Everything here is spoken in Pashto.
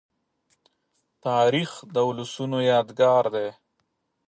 تاریخ د ولسونو یادګار دی.